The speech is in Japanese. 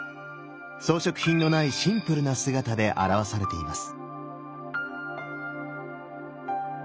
装飾品のないシンプルな姿で表されています。